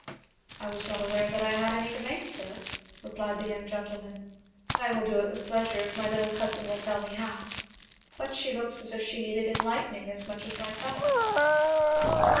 "I was not aware that I had any to make, sir," replied the young gentleman. "I will do it with pleasure if my little cousin will tell me how. But she looks as if she needed enlightening as much as myself."